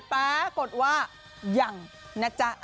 ปรากฏว่ายังนะจ๊ะ